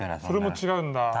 それも違うんだ。